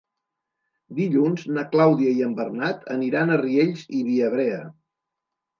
Dilluns na Clàudia i en Bernat aniran a Riells i Viabrea.